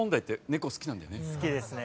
好きですね。